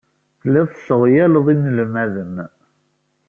Telliḍ tesseɣyaleḍ inelmaden.